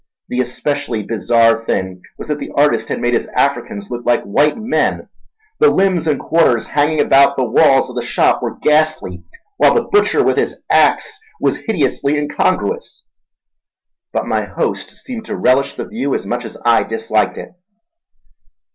The especially bizarre thing was that the artist had made his Africans look like white men—the limbs and quarters hanging about the walls of the shop were ghastly, while the butcher with his axe was hideously incongruous. But my host seemed to relish the view as much as I disliked it.